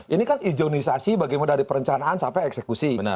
ini kan ijenisasi bagaimana dari perencanaan sampai eksekusi